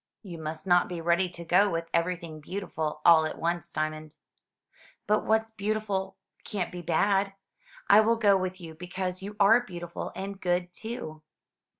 "You must not be ready to go with everything beautiful all at once, Diamond." "But what's beautiful can't be bad. I will go with you because you are beautiful and good, too."